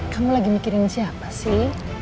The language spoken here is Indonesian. kamu lagi mikirin siapa sih